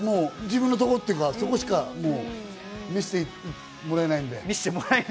自分のところ、そこしか見せてもらえないので。